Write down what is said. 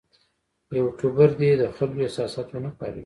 یوټوبر دې د خلکو احساسات ونه کاروي.